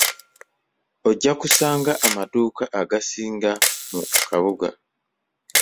Ojja kusanga amaduuka agasinga mu kabuga.